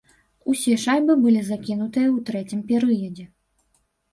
Усе шайбы былі закінутыя ў трэцім перыядзе.